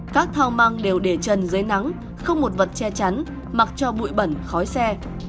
các thao măng đều để trần dưới nắng không một vật che chắn mặc cho bụi bẩn khói xe